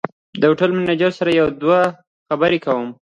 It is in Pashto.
د هوټل منیجر سره یو دوه خبرې کوم.